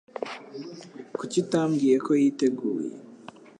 Kuki utambwiye ko yiteguye?